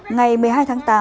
ngày một mươi hai tháng tám